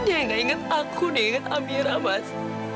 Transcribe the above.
dia nggak ingat aku dia ingat amira mas